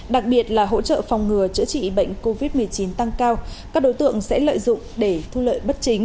đặc biệt là hỗ trợ phòng ngừa chữa trị bệnh covid một mươi chín tăng cao các đối tượng sẽ lợi dụng để thu lợi bất chính